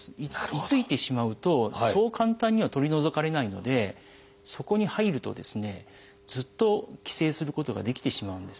居ついてしまうとそう簡単には取り除かれないのでそこに入るとですねずっと寄生することができてしまうんですね。